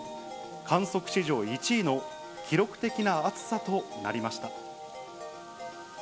観測史上１位の記録的な暑さとなりました。